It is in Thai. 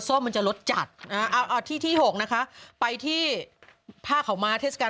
เตยแล้วยาหว่าร้อยเมตร